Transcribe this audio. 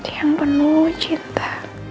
yang penuh cinta